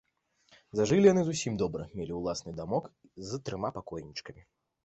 Зажылі яны зусім добра, мелі ўласны дамок з трыма пакойчыкамі.